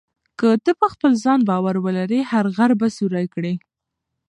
که ته په خپل ځان باور ولرې، هر غر به سوري کړې.